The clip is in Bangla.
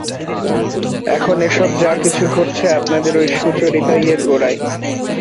এখন এ-সব যা-কিছু ঘটছে আপনাদের ঐ সুচরিতাই এর গোড়ায়।